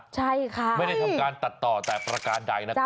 ใช่ค่ะไม่ได้ทำการตัดต่อแต่ประการใดนะครับ